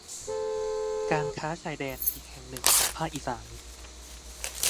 การค้าชายแดนอีกแห่งหนึ่งของภาคอีสาน